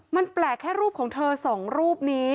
มันแปลกแค่รูปของเธอสองรูปนี้